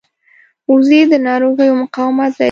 وزې د ناروغیو مقاومت لري